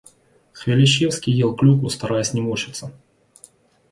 Хвилищевский ел клюкву, стараясь не морщиться.